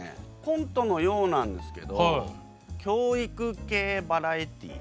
コントのようなんですけど教育系バラエティー。